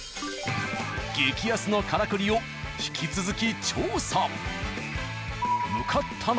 激安のカラクリを引き続き調査。